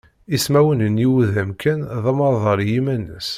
Ismawen n yiwudam kan d amaḍal i yiman-is.